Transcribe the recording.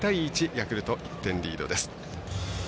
ヤクルト、１点リードです。